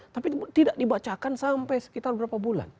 tapi tidak dibacakan sampai sekitar berapa bulan